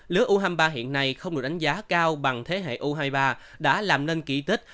lứa u hai mươi ba hiện nay không được đánh giá cao bằng thế hệ u hai mươi ba đã làm nên kỳ tích